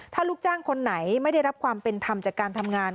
ถ้าลูกจ้างคนไหนไม่ได้รับความเป็นธรรมจากการทำงาน